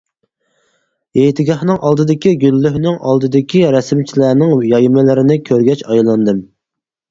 ھېيتگاھنىڭ ئالدىدىكى گۈللۈكنىڭ ئالدىدىكى رەسىمچىلەرنىڭ يايمىلىرىنى كۆرگەچ ئايلاندىم.